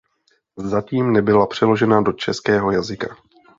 Zatím nebyla přeložena do českého jazyka.